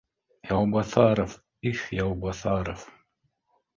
Яубаҫаров, их Яубаҫаров